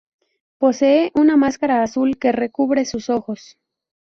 Posee una máscara azul que recubre sus ojos.